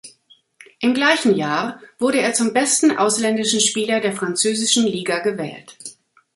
Im gleichen Jahr wurde er zum besten ausländischen Spieler der französischen Liga gewählt.